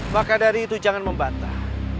maka dari itu jangan membantah